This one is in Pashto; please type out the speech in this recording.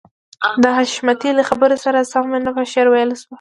د حشمتي له خبرې سره سم مينه په شعر ويلو شوه.